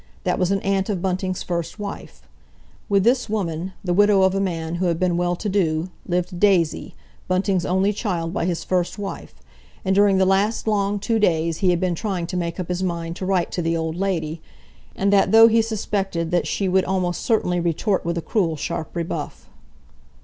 That was an aunt of Bunting's first wife. With this woman, the widow of a man who had been well to do, lived Daisy, Bunting's only child by his first wife, and during the last long two days he had been trying to make up his mind to write to the old lady, and that though he suspected that she would almost certainly retort with a cruel, sharp rebuff.